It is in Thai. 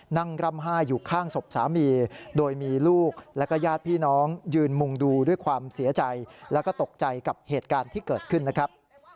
ร่ำไห้อยู่ข้างศพสามีโดยมีลูกแล้วก็ญาติพี่น้องยืนมุงดูด้วยความเสียใจแล้วก็ตกใจกับเหตุการณ์ที่เกิดขึ้นนะครับ